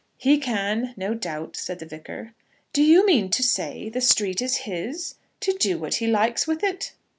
"He can, no doubt," said the Vicar. "Do you mean to say the street is his; to do what he likes with it?"